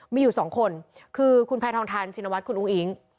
มีอยู่สองคนคือคุณแพทองทานชินวัฒนคุณอุ้งอิง